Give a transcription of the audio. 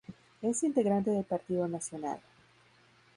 Es integrante del Partido Nacional.